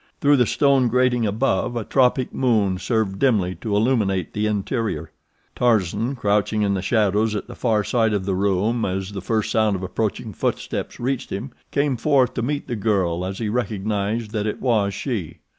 Through the stone grating above, a tropic moon served dimly to illuminate the interior. Tarzan, crouching in the shadows at the far side of the room as the first sound of approaching footsteps reached him, came forth to meet the girl as he recognized that it was she.